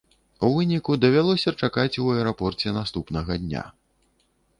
У выніку давялося чакаць у аэрапорце наступнага дня.